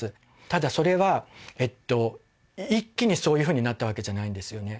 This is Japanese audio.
ただそれは一気にそういうふうになったわけじゃないんですよね